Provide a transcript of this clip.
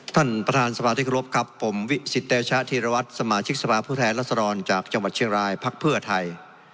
ท่านประธานสมัครที่ครบครับผมวิศิเตชะธีรวัติสมาชิกสภาพุทธแหละสรรจากจังหวัดเชียงรายพรรคเพื่อไทย